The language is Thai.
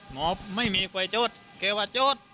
หมอไม่มีไฟโจ๊ดเขาว่าโจ๊ด